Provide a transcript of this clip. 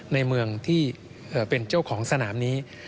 ในเมืองที่เป็นเจ้าของสนามนี้